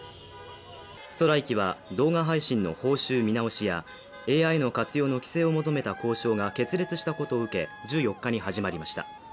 ストライキは動画配信の報酬見直しやＡＩの活用の規制を求めた交渉が決裂したことを受け１４日に始まりました。